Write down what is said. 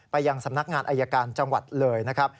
ยังสำนักงานอายการจังหวัดเลยนะครับ